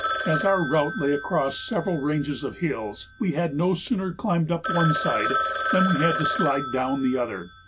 As our route lay across several ranges of hills, we had no sooner climbed up one side than we had to slide down the other.